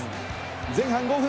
前半５分。